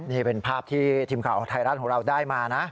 นี่เป็นภาพที่ทีมข่าวไทยรัฐของเราได้มานะ